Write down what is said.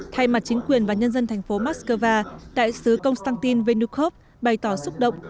thay mặt chính quyền và nhân dân thành phố moscow đại sứ konstantin venukhov bày tỏ xúc động